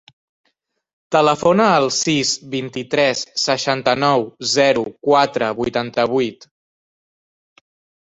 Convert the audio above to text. Telefona al sis, vint-i-tres, seixanta-nou, zero, quatre, vuitanta-vuit.